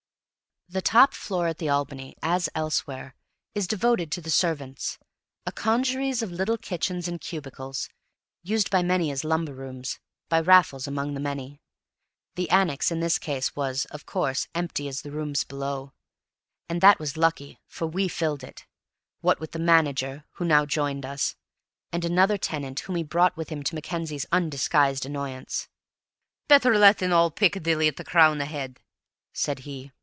The top floor at the Albany, as elsewhere, is devoted to the servants a congeries of little kitchens and cubicles, used by many as lumber rooms by Raffles among the many. The annex in this case was, of course, empty as the rooms below; and that was lucky, for we filled it, what with the manager, who now joined us, and another tenant whom he brought with him to Mackenzie's undisguised annoyance. "Better let in all Piccadilly at a crown a head," said he.